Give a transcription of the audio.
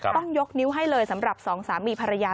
ต้องยกนิ้วให้เลยสำหรับสองสามีภรรยา